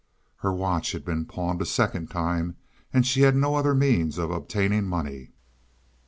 Her watch had been pawned a second time, and she had no other means of obtaining money.